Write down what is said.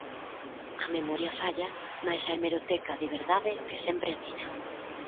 A memoria falla mais a hemeroteca de verdade que sempre atina.